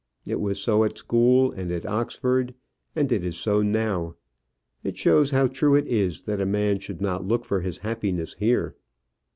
It was so at school, and at Oxford, and it is so now: it shows how true it is that a man should not look for his happiness here.